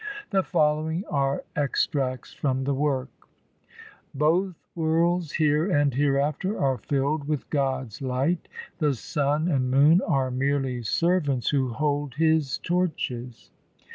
The following are extracts from the work :— Both worlds, here and hereafter, are filled with God's light ; The sun and moon are merely servants who hold His torches.